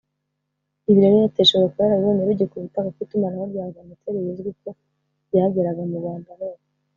Ibi rero Airtel ishobora kuba yarabibonye rugikubita kuko itumanaho rya Rwandatel bizwi ko ryageraga mu Rwanda hose